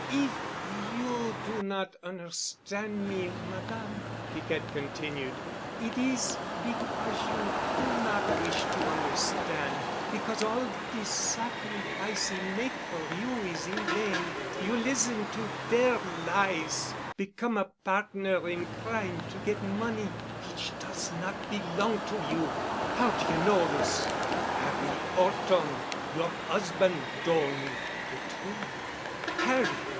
"If you do not on'erstan' me, Madame," Piquette continued, "it is because you do not wish to on'erstan', because all de sacrifice 'e make for you is in vain. You listen to deir lies, become a partner in a crime to get money which does not belong to you——" "How do you know this?" "'Arry 'Orton—your 'usband—tol' me de trut'." "Harry!"